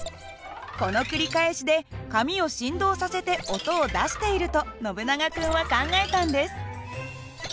この繰り返しで紙を振動させて音を出しているとノブナガ君は考えたんです。